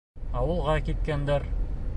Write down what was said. Ауылға киткәндәр.